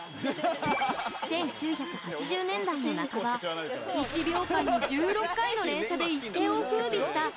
１９８０年代の半ば１秒間に１６回の連射で一世をふうびしたゲームの達人。